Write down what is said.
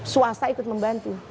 suasana ikut membantu